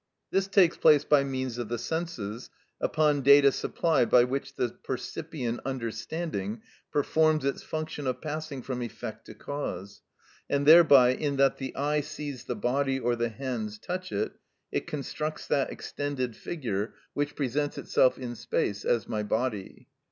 This takes place by means of the senses, upon data supplied by which the percipient understanding performs its function of passing from effect to cause, and thereby, in that the eye sees the body or the hands touch it, it constructs that extended figure which presents itself in space as my body.